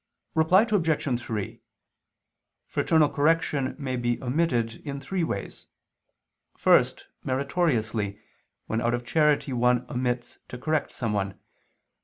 Reply Obj. 3: Fraternal correction may be omitted in three ways. First, meritoriously, when out of charity one omits to correct someone.